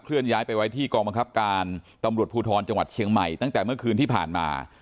ย้ายไปไว้ที่กองบังคับการตำรวจภูทรจังหวัดเชียงใหม่ตั้งแต่เมื่อคืนที่ผ่านมา